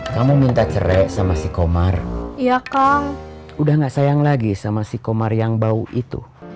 kamu minta cerai sama si komar iya kang udah gak sayang lagi sama si komar yang bau itu